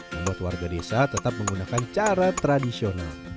membuat warga desa tetap menggunakan cara tradisional